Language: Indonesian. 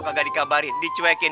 kagak dikabarin dicuekin